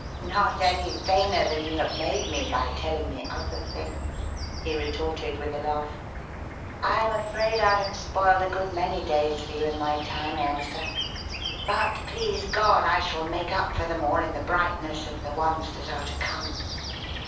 "Not any vainer than you have made me by telling me other things," he retorted with a laugh. "I am afraid I have spoiled a good many days for you in my time, Ailsa. But, please God, I shall make up for them all in the brightness of the ones that are to come.